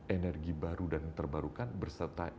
energi baru dan terbarukan berserta